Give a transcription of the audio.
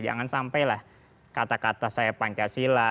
jangan sampai lah kata kata saya pancasila